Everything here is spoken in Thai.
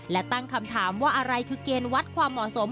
และตั้งคำถามว่าอะไรคือเกณฑ์วัดความเหมาะสม